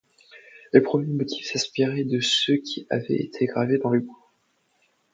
Les premiers motifs s’inspiraient de ceux qui avaient été gravés dans le bois.